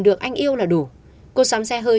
được anh yêu là đủ cô xám xe hơi